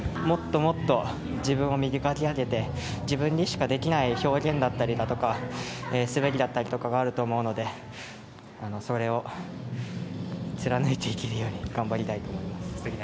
もっともっと自分を磨き上げて自分にしかできない表現だったり滑りだったりがあると思うのでそれを貫いていけるように頑張りたいと思います。